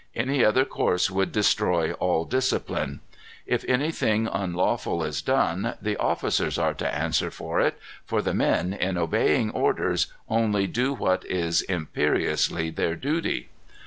Any other course would destroy all discipline. If anything unlawful is done, the officers are to answer for it, for the men, in obeying orders, only do what is imperiously their duty."